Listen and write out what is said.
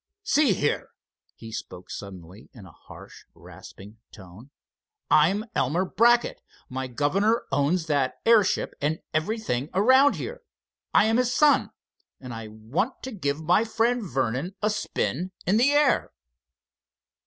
"See here," he spoke suddenly in a harsh, rasping tone. "I'm Elmer Brackett, my governor owns that airship and everything around here. I'm his son, and I want to give my friend Vernon a spin in the air."